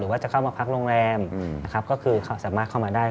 หรือว่าจะเข้ามาพักโรงแรมก็คือสามารถเข้ามาได้